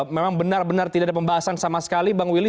memang benar benar tidak ada pembahasan sama sekali bang willy